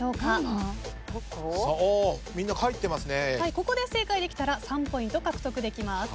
ここで正解できたら３ポイント獲得できます。